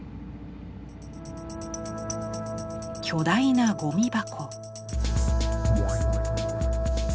巨大なゴミ箱。